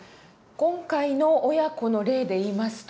今回の親子の例で言いますと。